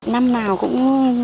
năm nào cũng